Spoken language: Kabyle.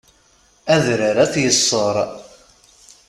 Adrar ad t-yeṣṣer.